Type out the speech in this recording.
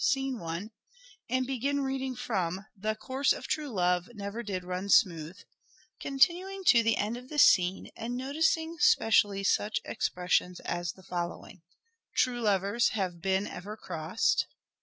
i) and begin reading from, " The course of true love never did run smooth," continuing to the end of the scene and noticing specially such expressions as the following :— "True lovers have been ever cross'd."